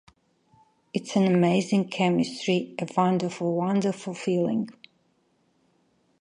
It's an amazing chemistry--a wonderful, wonderful feeling.